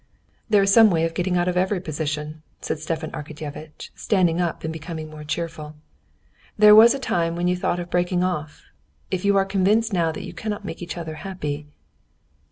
"There is some way of getting out of every position," said Stepan Arkadyevitch, standing up and becoming more cheerful. "There was a time when you thought of breaking off.... If you are convinced now that you cannot make each other happy...."